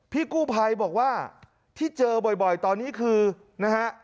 พี่กู้ภัยบอกว่าที่เจอบ่อยตอนนี้คือนะฮะ